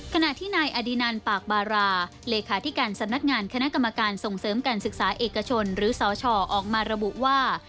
ขณะที่นายอดินันปากบาราเลขาธิการสำนักงานคณะกรรมการส่งเสริมการศึกษาเอกชนหรือสชออกมาระบุว่า